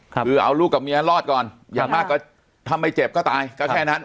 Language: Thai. คือเอาลูกกับเมียรอดก่อนอย่างมากก็ถ้าไม่เจ็บก็ตายก็แค่นั้น